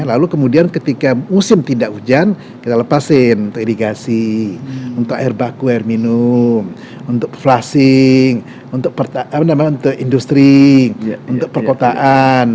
lalu kemudian ketika musim tidak hujan kita lepasin untuk irigasi untuk air baku air minum untuk frussing untuk industri untuk perkotaan